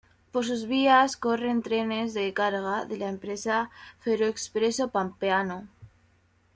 Por sus vías corren trenes de carga de la empresa Ferroexpreso Pampeano.